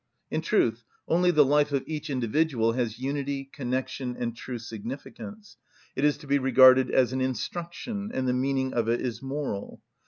In truth, only the life of each individual has unity, connection, and true significance: it is to be regarded as an instruction, and the meaning of it is moral.